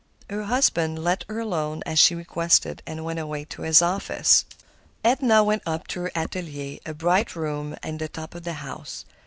Her husband let her alone as she requested, and went away to his office. Edna went up to her atelier—a bright room in the top of the house.